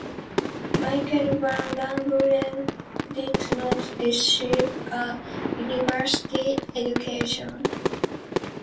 Michael van Langren did not receive a university education.